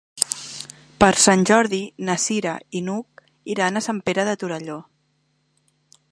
Per Sant Jordi na Cira i n'Hug iran a Sant Pere de Torelló.